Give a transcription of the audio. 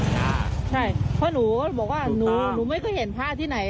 ใช่เพราะหนูก็บอกว่าหนูหนูไม่เคยเห็นพระที่ไหน